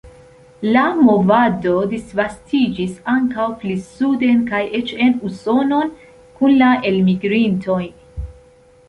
La movado disvastiĝis ankaŭ pli suden kaj eĉ en Usonon kun la elmigrintoj.